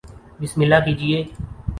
بسم اللہ کیجئے